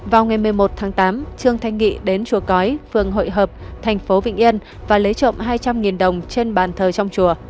vào ngày một mươi một tháng tám trương thanh nghị đến chùa cói phường hội hợp thành phố vĩnh yên và lấy trộm hai trăm linh đồng trên bàn thờ trong chùa